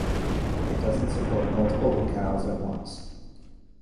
It doesn't support multiple locales at once